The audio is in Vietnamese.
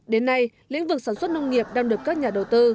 đến nay lĩnh vực sản xuất nông nghiệp đang được các nhà đầu tư